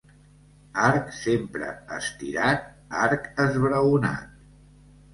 Arc sempre estirat, arc esbraonat.